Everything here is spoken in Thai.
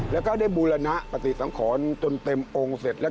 แล้วก็ได้บูรณปฏิสังขรจนเต็มองค์เสร็จแล้ว